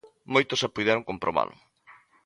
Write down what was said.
Moitos xa puideron comprobalo.